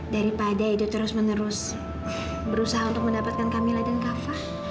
daripada edu terus menerus berusaha untuk mendapatkan kamila dan kava